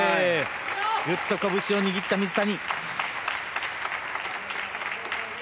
ぐっとこぶしを握った水谷。